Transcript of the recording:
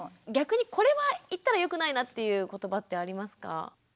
逆にこれは言ったらよくないなっていう言葉ってありますか？